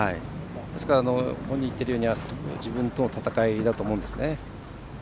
ですから、本人言っているようにあすは自分との闘いだと思います。